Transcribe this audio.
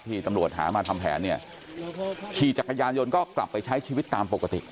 ที่ตำรวจหามาทำแผนเนี่ยขี่จักรยานยนต์ก็กลับไปใช้ชีวิตตามปกติ